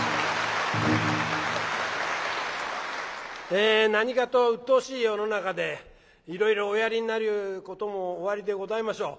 え何かとうっとうしい世の中でいろいろおやりになることもおありでございましょう。